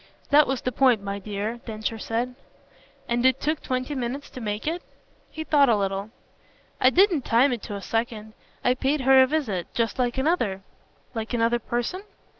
"That was the point, my dear," Densher said. "And it took twenty minutes to make it?" He thought a little. "I didn't time it to a second. I paid her the visit just like another." "Like another person?"